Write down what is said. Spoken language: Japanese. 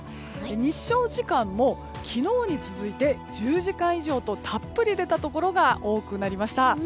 日照時間も昨日に続いて１０時間以上とたっぷり出たところが多くなりました。